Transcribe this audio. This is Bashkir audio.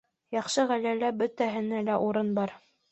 Яҡшы ғаиләлә бөтәһенә лә урын бар